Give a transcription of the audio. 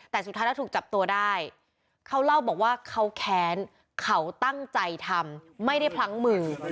แต่สุดท้ายแล้วถูกจับตัวได้เขาเล่าบอกว่าเขาแค้นเขาตั้งใจทำไม่ได้พลั้งมือ